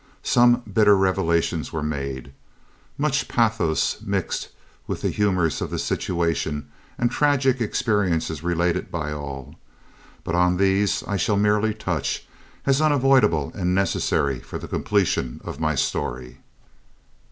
Some bitter revelations were made, much pathos mixed with the humours of the situation and tragic experiences related by all but on these I shall merely touch, as unavoidable and necessary for the completion of my story.